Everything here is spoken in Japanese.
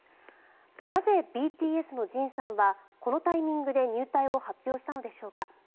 なぜ、ＢＴＳのＪＩＮさんはこのタイミングで入隊を発表したのでしょうか。